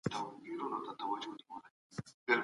مطالعه به ستا پر شخصیت ژور اغېز وکړي.